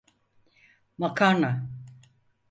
Makarna.